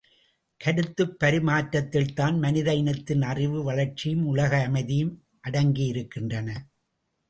கருத்துப் பரிமாற்றத்தில்தான் மனித இனத்தின் அறிவு வளர்ச்சியும் உலக அமைதியும் அடங்கியிருக்கின்றன.